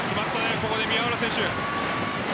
ここで宮浦選手。